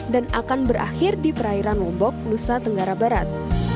dan akan berakhir di perairan lombok lusa tenggara barat